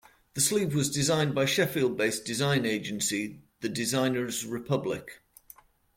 The sleeve was designed by Sheffield-based design agency The Designers Republic.